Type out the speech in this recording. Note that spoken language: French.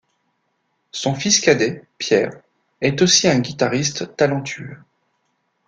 Son fils cadet, Pierre, est aussi un guitariste talentueux.